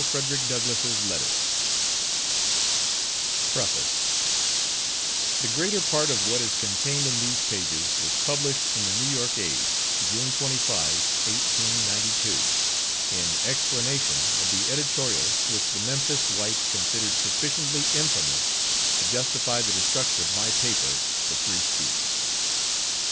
Wells Barnett PREFACE The greater part of what is contained in these pages was published in the New York Age June 25, 1892, in explanation of the editorial which the Memphis whites considered sufficiently infamous to justify the destruction of my paper, the Free Speech.